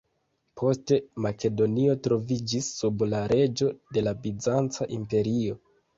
Poste, Makedonio troviĝis sub la rego de la Bizanca imperio.